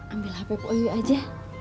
ambil hp pak uyuy aja